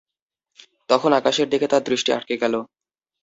তখন আকাশের দিকে তাঁর দৃষ্টি আটকে গেল।